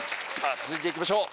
続いていきましょう！